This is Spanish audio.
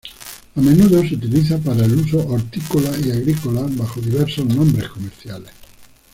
A menudo se utiliza para el uso hortícola y agrícola bajo diversos nombres comerciales.